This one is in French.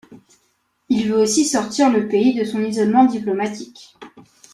Il veut aussi sortir le pays de son isolement diplomatique.